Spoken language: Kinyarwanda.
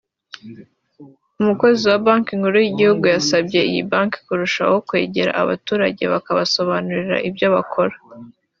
umukozi wa Banki Nkuru y’Igihugu yasabye iyi banki kurushaho kwegera abaturage bakabasobanurira ibyo bakora